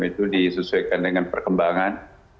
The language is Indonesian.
itu disesuaikan dengan perkembangan